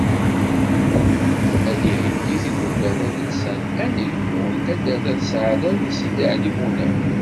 Ad d-theyyi tdukkla tadelsant “Anegmu” n taddart At Sɛada deg Sidi Ɛli Bunab.